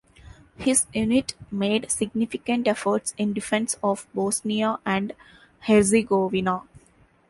His unit made significant efforts in defence of Bosnia and Herzegovina.